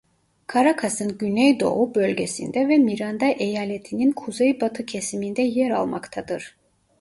Karakas'ın güneydoğu bölgesinde ve Miranda Eyaletinin kuzeybatı kesiminde yer almaktadır.